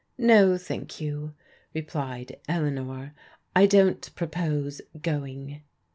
"No, thank you," replied Eleanor, "I don't propose /going."